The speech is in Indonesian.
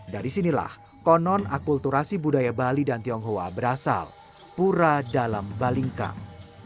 dari sinilah konon akulturasi budaya bali dan tionghoa berasal pura dalam balingkang